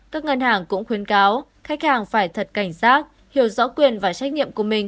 các ngân hàng cũng khuyến cáo khách hàng phải thật cảnh giác hiểu rõ quyền và trách nhiệm của mình